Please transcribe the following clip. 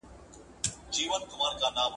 فعال چاپېريال ماشوم ته زده کړه اسانه کوي.